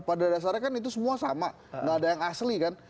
pada dasarnya kan itu semua sama nggak ada yang asli kan